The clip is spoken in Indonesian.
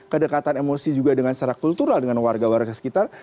kedekatan emosi juga dengan secara kultural dengan warga warga sekitar